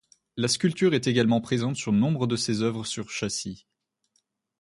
La sculpture est également présente sur nombre de ses œuvres sur châssis.